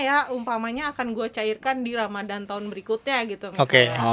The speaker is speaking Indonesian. ya umpamanya akan gua cairkan di ramadhan tahun berikutnya gitu misalnya